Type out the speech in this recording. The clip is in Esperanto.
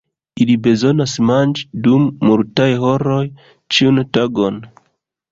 Ili bezonas manĝi dum multaj horoj ĉiun tagon.